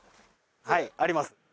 はいあります。